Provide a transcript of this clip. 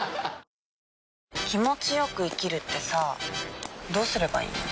気持ちよく生きるってさどうすればいいの？